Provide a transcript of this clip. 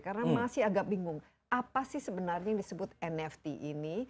karena masih agak bingung apa sih sebenarnya yang disebut nft ini